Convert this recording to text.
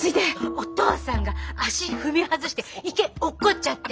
お父さんが足踏み外して池落っこっちゃって。